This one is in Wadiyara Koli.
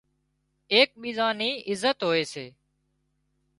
ايڪ ٻيزان ني عزت هوئي سي